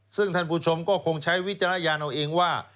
ซึ่งท่านผู้ชมก็คงใช้วิจารณญาณเอาเองว่า